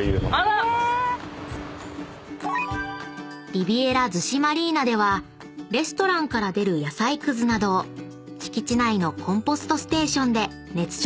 ［リビエラ逗子マリーナではレストランから出る野菜くずなどを敷地内のコンポストステーションで熱処理して圧縮］